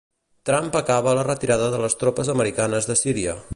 Trump acaba la retirada de les tropes americanes de Síria.